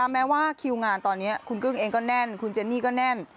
แม้ว่าคิวงานตอนนี้คุณกึ้งเองก็แน่นคุณเจนี่ก็แน่น